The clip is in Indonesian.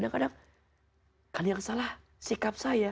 kadang kadang kan yang salah sikap saya